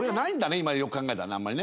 今よく考えたらあんまりね。